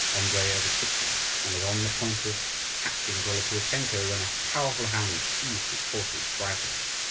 Andrii overtook them, and was on the point of catching Golopuitenko, when a powerful hand seized his horse's bridle.